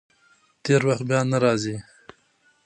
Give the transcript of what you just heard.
تېر وخت بیا نه راځي.